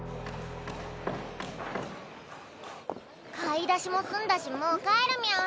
買い出しも済んだしもう帰るニャ。